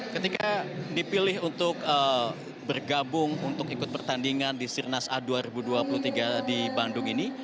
ketika dipilih untuk bergabung untuk ikut pertandingan di sirnas a dua ribu dua puluh tiga di bandung ini